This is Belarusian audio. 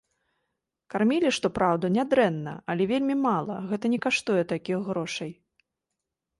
Кармілі, што праўда, нядрэнна, але вельмі мала, гэта не каштуе такіх грошай.